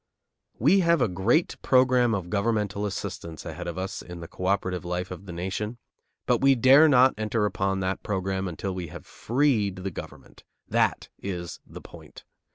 We have a great program of governmental assistance ahead of us in the co operative life of the nation; but we dare not enter upon that program until we have freed the government. That is the point.